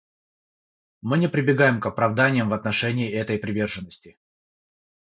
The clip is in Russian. Мы не прибегаем к оправданиям в отношении этой приверженности.